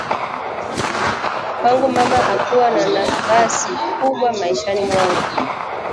Kwangu mama hakuwa na nafasi kubwa maishani mwangu